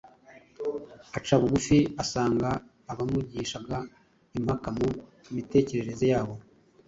aca bugufi asanga abamugishaga impaka mu mitekerereze yabo,